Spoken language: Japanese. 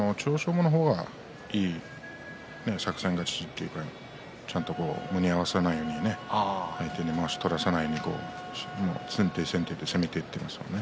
馬はいい作戦勝ちというか胸を合わせないように相手にまわしを取らせないように先手、先手で攻めていってますものね。